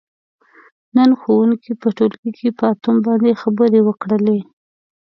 نن ښوونکي په ټولګي کې په اتوم باندې خبرې وکړلې.